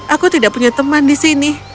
aku tidak punya teman di sini